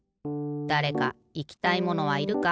だれかいきたいものはいるか？